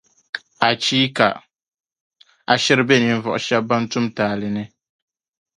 Achiika! A shiri be ninvuɣu shɛba ban tum taali ni.